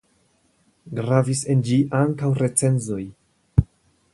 Gravis en ĝi ankaŭ recenzoj.